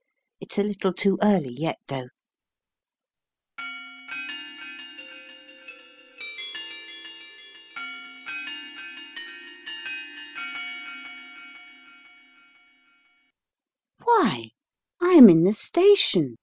It's a little too early yet, though." " Why, I am in the station